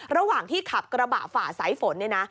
ระหว่างที่ขับกระบะฝ่าใสฝน